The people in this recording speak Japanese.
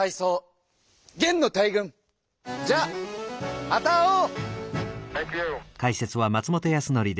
じゃあまた会おう！